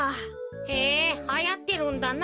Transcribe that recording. へえはやってるんだな。